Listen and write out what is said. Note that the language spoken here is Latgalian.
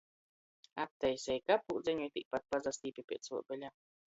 Attaiseji kaplūdzeņu i tīpat pasastīpi piec uobeļa.